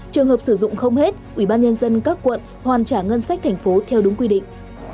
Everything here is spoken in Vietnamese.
trường hợp sử dụng không hết ủy ban nhân dân các quận hoàn trả ngân sách thành phố theo đúng quy định